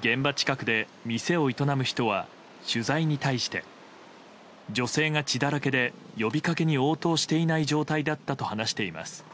現場近くで店を営む人は取材に対して女性が血だらけで呼びかけに応答していない状態だったと話しています。